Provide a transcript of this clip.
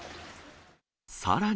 さらに。